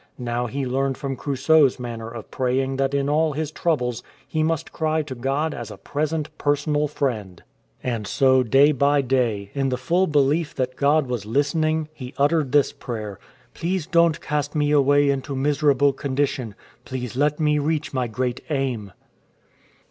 Now he learned from Crusoe's manner of praying that in all his troubles he must cry to God as a present, personal friend. And so day by 54 MR. HARDY AND "JOE" day, in the full belief that God was listening, he uttered this prayer '' Please don't cast me away into miserable condition. Please let me reach my great aim."''